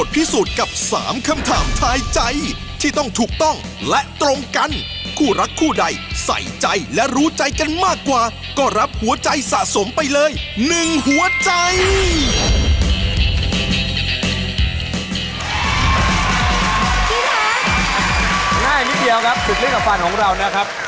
ได้นิดเดียวครับศึกลิ้นกับฟันของเรานะครับ